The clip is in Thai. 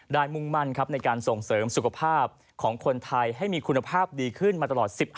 มุ่งมั่นในการส่งเสริมสุขภาพของคนไทยให้มีคุณภาพดีขึ้นมาตลอด๑๕